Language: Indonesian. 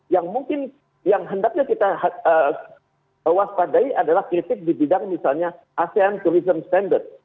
yang mungkin yang hendaknya kita waspadai adalah kritik di bidang misalnya asean tourism standard